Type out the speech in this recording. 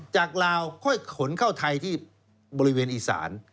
ลาวค่อยขนเข้าไทยที่บริเวณอีสาน